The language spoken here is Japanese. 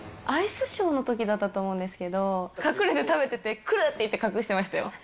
アイスショーのときだったと思うんですけど、隠れて食べてて、来る！って言って隠してましたよ。